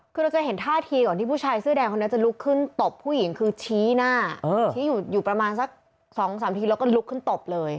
คือเราจะเห็นท่าทีก่อนที่ผู้ชายเสื้อแดงคนนี้จะลุกขึ้นตบผู้หญิงคือชี้หน้าชี้อยู่ประมาณสัก๒๓ทีแล้วก็ลุกขึ้นตบเลย